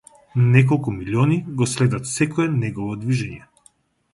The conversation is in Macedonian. Неколку милиони го следат секое негово движење.